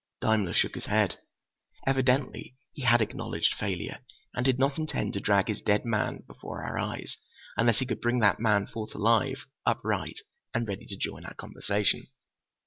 Daimler shook his head. Evidently he had acknowledged failure and did not intend to drag his dead man before our eyes, unless he could bring that man forth alive, upright, and ready to join our conversation!